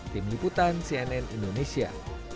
tim liputan cnn indonesia